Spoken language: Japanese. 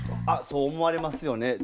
あっそう思われますよね。